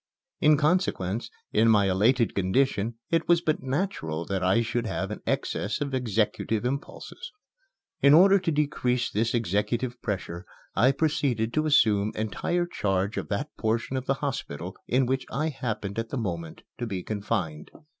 In consequence, in my elated condition it was but natural that I should have an excess of executive impulses. In order to decrease this executive pressure I proceeded to assume entire charge of that portion of the hospital in which I happened at the moment to be confined.